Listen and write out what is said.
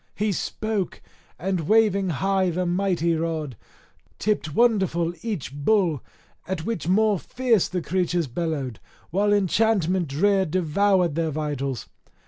He spoke, and waving high the mighty rod, tipped wonderful each bull, at which more fierce the creatures bellowed, while enchantment drear devoured their vitals.